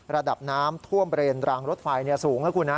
ระดับน้ำท่วมเตรียมรางรถไฟสูงนะคุณ